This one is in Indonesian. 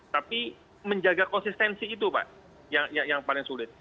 tapi menjaga konsistensi itu pak yang paling sulit